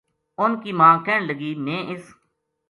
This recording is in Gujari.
اُنھ کی ماں کہن لگی ’ میں اس